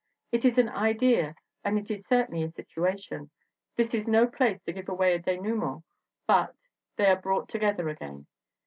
It is an idea and it is certainly a situation. This is no place to give away a denouement but they are brought together again.